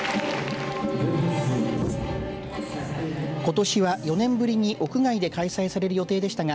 ことしは４年ぶりに屋外で開催される予定でしたが